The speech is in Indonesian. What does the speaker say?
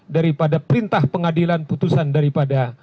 daripada perintah pengadilan putusan daripada